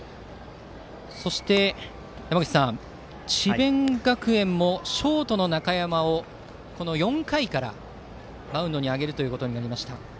そして山口さん、智弁学園もショートの中山を４回からマウンドに上げることになりました。